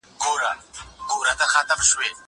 زه به سبا مېوې راټولوم وم!